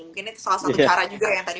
mungkin itu salah satu cara juga yang tadi